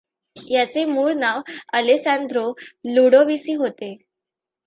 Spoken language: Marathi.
याचे मूळ नाव अलेस्सान्द्रो लुडोविसी होते.